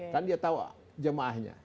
kan dia tahu jemaahnya